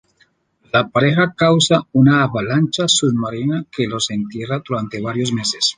La pareja causa una avalancha submarina que los entierra durante varios meses.